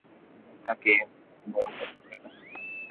বড় সুখের পাশাপাশি বড় দুঃখ থাকে।